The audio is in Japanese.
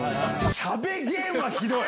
しゃべゲームはひどい。